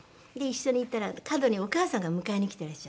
一緒に行ったら角にお母さんが迎えに来てらっしゃって。